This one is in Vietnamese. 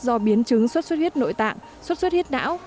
do biến chứng số xuất huyết nội tạng số xuất huyết não